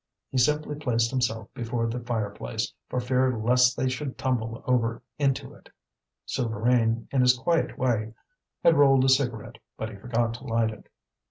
He simply placed himself before the fireplace, for fear lest they should tumble over into it. Souvarine, in his quiet way, had rolled a cigarette, but he forgot to light it.